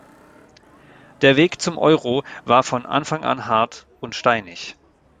Der Weg zum Euro war von Anfang an hart und steinig.